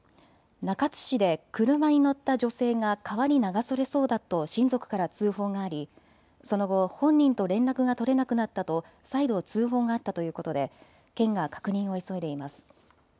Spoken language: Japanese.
中津市で車に乗った女性が川に流されそうだと親族から通報がありその後、本人と連絡が取れなくなったと再度、通報があったということで県が確認を急いでいます。